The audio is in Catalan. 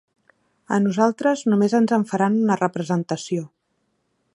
A nosaltres només ens en faran una representació.